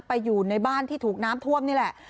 อยู่ในบ้านที่ถูกน้ำท่วมนี่แหละ